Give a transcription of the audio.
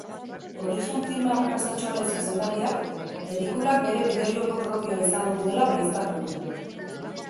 Origen filme arrakastatsuaren zuzendariak pelikulak bere bideo-joko propioa izango duela baieztatu du.